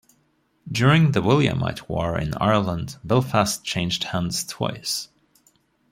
During the Williamite War in Ireland Belfast changed hands twice.